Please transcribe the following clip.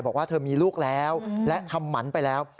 บอกว่าเธอมีลูกแล้วและทำหมันไปแล้ว